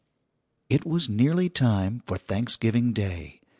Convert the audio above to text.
It was nearly time for Thanksgiving Day.